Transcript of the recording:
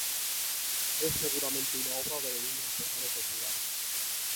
Es seguramente una obra de un artesano popular.